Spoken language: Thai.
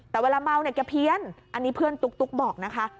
แต่เวลาเมาเนี่ยแกเพี้ยนอันนี้เพื่อนตุ๊กบอกนะคะ